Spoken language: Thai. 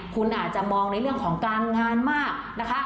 คุณอาจจะมองในเรื่องของการงานมากนะคะ